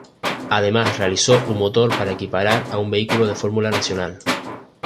Además, realizó un motor para equipar a un vehículo de fórmula nacional.